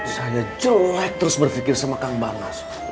saya jelek terus berpikir sama kang barnas